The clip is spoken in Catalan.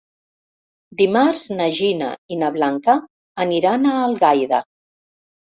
Dimarts na Gina i na Blanca aniran a Algaida.